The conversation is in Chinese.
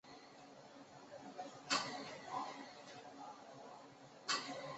他也代表斯洛文尼亚国家足球队参赛。